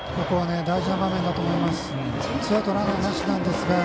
ここは大事な場面だと思います。